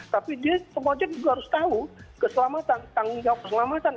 tapi pengojek juga harus tahu keselamatan tanggung jawab keselamatan